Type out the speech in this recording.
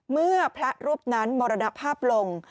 เมื่อพระรูปนั้นมรณภาพลง